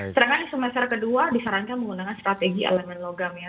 sedangkan di semester kedua disarankan menggunakan strategi elemen logam ya